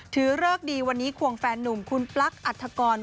เริกดีวันนี้ควงแฟนนุ่มคุณปลั๊กอัฐกร